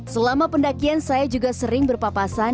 selama pendakian saya juga sering berpapasan